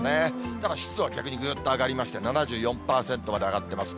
ただ、湿度は逆にぐーっと上がりまして、７４％まで上がってます。